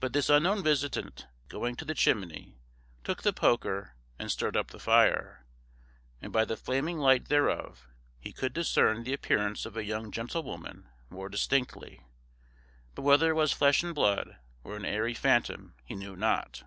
But this unknown visitant going to the chimney, took the poker and stirred up the fire, and by the flaming light thereof he could discern the appearance of a young gentlewoman more distinctly; but whether it was flesh and blood, or an airy phantom, he knew not.